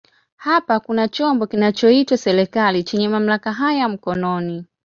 Hapo kuna chombo kinachoitwa serikali chenye mamlaka haya mkononi.